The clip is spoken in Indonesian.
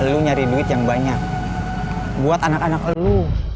lu nyari duit yang banyak buat anak anak lu